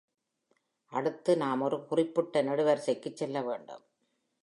அடுத்து, நாம் ஒரு குறிப்பிட்ட நெடுவரிசைக்கு செல்ல வேண்டும்.